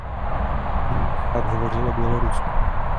Nyní bych rád hovořil o Bělorusku.